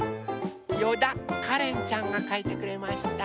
よだかれんちゃんがかいてくれました。